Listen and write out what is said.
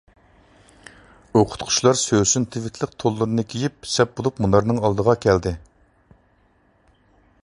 ئوقۇتقۇچىلار سۆسۈن تىۋىتلىق تونلىرىنى كىيىپ، سەپ بولۇپ مۇنارنىڭ ئالدىغا كەلدى.